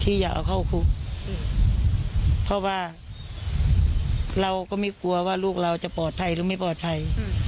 อย่าเอาเข้าคุกเพราะว่าเราก็ไม่กลัวว่าลูกเราจะปลอดภัยหรือไม่ปลอดภัย